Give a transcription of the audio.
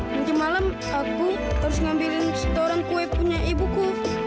karena malam aku harus ngambilin setoran kue punya ibuku